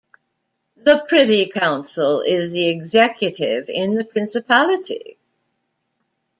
The Privy Council is the executive in the principality.